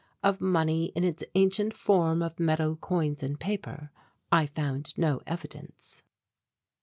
Of money in its ancient form of metal coins and paper, I found no evidence.